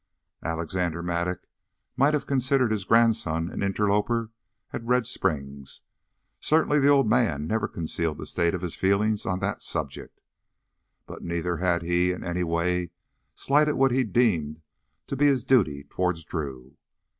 Alexander Mattock might have considered his grandson an interloper at Red Springs; certainly the old man never concealed the state of his feelings on that subject. But neither had he, in any way, slighted what he deemed to be his duty toward Drew.